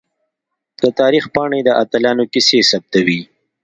د تاریخ پاڼې د اتلانو کیسې ثبتوي.